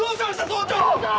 総長！